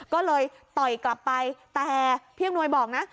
ก็เลยต่อยกลับไปแต่พี่อำนวยบอกนะ